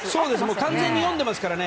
完全に読んでますからね